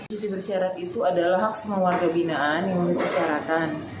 cuti bersyarat itu adalah hak semua warga binaan yang memenuhi persyaratan